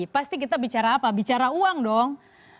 pasti kita bicara apa bicara uang dong